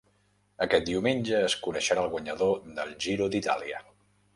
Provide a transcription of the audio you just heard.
Aquest diumenge es coneixerà el guanyador del Giro d'Itàlia.